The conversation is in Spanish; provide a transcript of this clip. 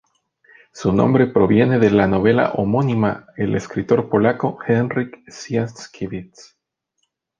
Su nombre proviene de la novela homónima el escritor polaco Henryk Sienkiewicz.